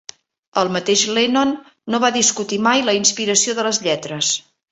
El mateix Lennon no va discutir mai la inspiració de les lletres.